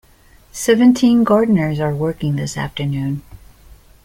Seventeen gardeners are working this afternoon.